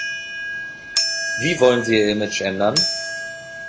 Wie wollen Sie Ihr Image ändern?